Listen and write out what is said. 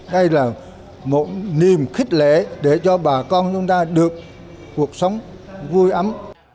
đây là một niềm khích lệ để cho bà con chúng ta được cuộc sống vui ấm